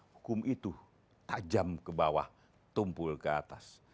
hukum itu tajam ke bawah tumpul ke atas